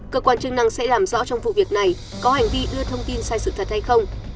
cơ quan chức năng sẽ làm rõ trong vụ việc này có hành vi đưa thông tin sai sự thật hay không